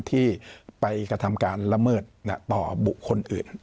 ที่ไปกระทำการละเมิดต่อบุคคลอื่น